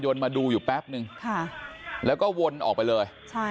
แต่เปิดมาดูอยู่แป๊บนึงแล้วก็วนออกไปเลย